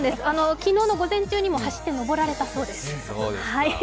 昨日の午前中にも走って登られたそうです。